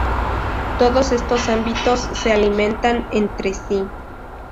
Todos estos ámbitos se alimentan entre sí.